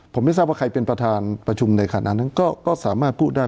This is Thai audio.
ผมไม่ทราบว่าใครเป็นประธานประชุมในขณะนั้นก็สามารถพูดได้